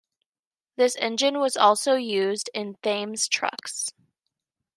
This engine was also used in Thames trucks.